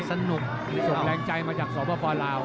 สนุกส่งแรงใจมาจากสปลาว